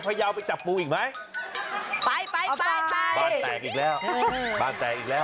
บ้าแตกอีกแล้วบ้าแตกอีกแล้ว